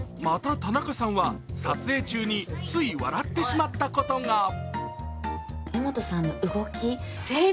また、田中さんは撮影中につい笑ってしまったことが。